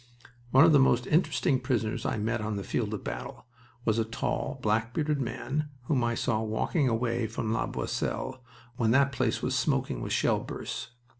One of the most interesting prisoners I met on the field of battle was a tall, black bearded man whom I saw walking away from La Boisselle when that place was smoking with shell bursts.